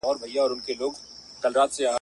د ښځو ګډون ټولنیز بدلون ګړندی کوي.